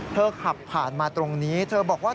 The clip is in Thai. ขับผ่านมาตรงนี้เธอบอกว่า